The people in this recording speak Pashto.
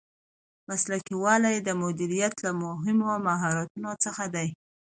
مسلکي والی د مدیریت له مهمو مهارتونو څخه دی.